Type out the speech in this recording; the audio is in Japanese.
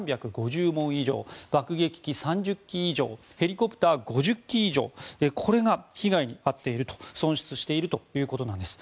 門以上爆撃機３０機以上ヘリコプター５０機以上これが被害に遭っている損失しているということなんです。